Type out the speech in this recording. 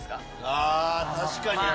あー、確かに。